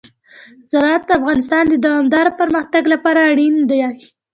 زراعت د افغانستان د دوامداره پرمختګ لپاره اړین دي.